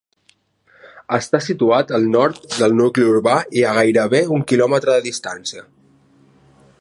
Està situat al nord del nucli urbà i a gairebé un kilòmetre de distància.